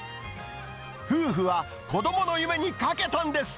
夫婦は子どもの夢にかけたんです。